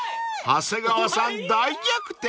［長谷川さん大逆転！？］